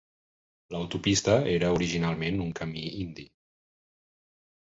L'autopista era originalment un camí indi.